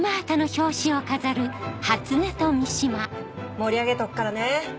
盛り上げとくからね！